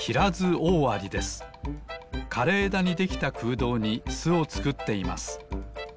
かれえだにできたくうどうにすをつくっています。